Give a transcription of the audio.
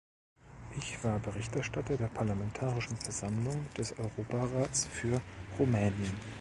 Ich war Berichterstatter der parlamentarischen Versammlung des Europarates für Rumänien.